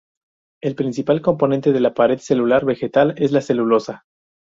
El principal componente de la pared celular vegetal es la celulosa.